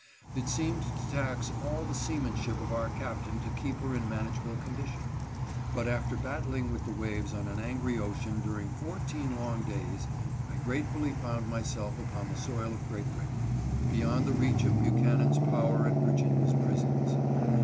It seemed to tax all the seaman ship of our captain to keep her in manageable condition ; but after battling with the waves on an angry ocean dur ing fourteen long days I gratefully found myself upon the soil of Great Britain, beyond the reach of Buchanan's power and Virginia's prisons.